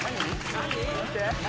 何？